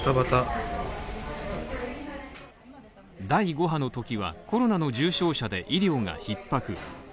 第５波のときはコロナの重症者で、医療が逼迫。